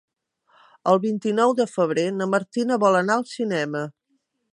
El vint-i-nou de febrer na Martina vol anar al cinema.